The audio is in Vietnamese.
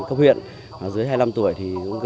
cấp huyện dưới hai mươi năm tuổi thì